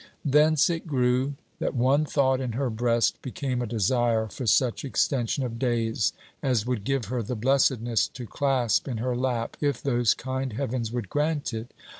Thence it grew that one thought in her breast became a desire for such extension of days as would give her the blessedness to clasp in her lap if those kind heavens would grant it!